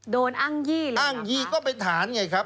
โดนอ้างยี่เลยอ้างยี่ก็เป็นฐานไงครับ